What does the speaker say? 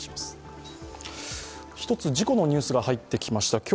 １つ事故のニュースが入ってきました。